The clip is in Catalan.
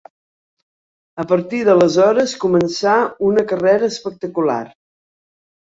A partir d'aleshores començà una carrera espectacular.